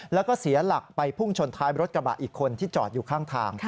แล้วก็เสียหลักไปพุ่งชนท้ายรถกระบะอีกคนที่จอดอยู่ข้างทาง